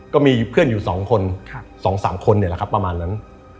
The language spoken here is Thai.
ก็มีเพื่อนอยู่๒คน๒๓คนเนี่ยแหละครับประมาณนั้น